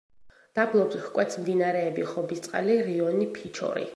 დაბლობს ჰკვეთს მდინარეები: ხობისწყალი, რიონი, ფიჩორი.